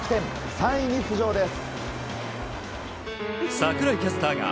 ３位に浮上です。